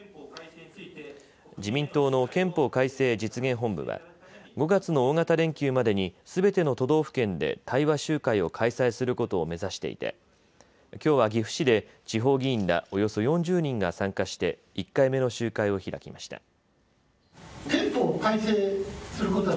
自民党の憲法改正実現本部は５月の大型連休までにすべての都道府県で対話集会を開催することを目指していてきょうは岐阜市で地方議員らおよそ４０人が参加して１回目の集会を開きました。